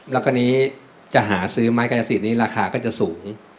แล้วก็นี้จะหาซื้อไม้กาญสิทธนี้ราคาก็จะสูง